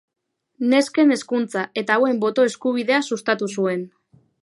Nesken hezkuntza eta hauen boto eskubidea sustatu zuen.